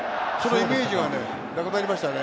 そのイメージがなくなりましたね。